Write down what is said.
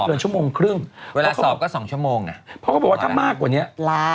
เดือนชั่วโมงครึ่งเวลาสอบก็สองชั่วโมงอ่ะเพราะเขาบอกว่าถ้ามากกว่านี้ล้าน